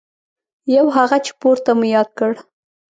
یو هغه چې پورته مو یاد کړ.